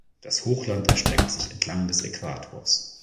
Das Hochland erstreckt sich entlang des Äquators.